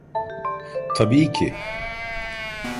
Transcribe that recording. Tabii ki!